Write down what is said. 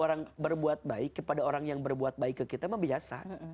orang berbuat baik kepada orang yang berbuat baik ke kita memang biasa